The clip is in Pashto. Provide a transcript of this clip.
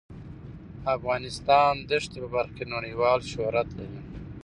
افغانستان د ښتې په برخه کې نړیوال شهرت لري.